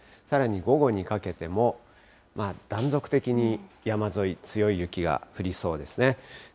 さらに午後にかけても、断続的に山沿い、強い雪が降りそうですね。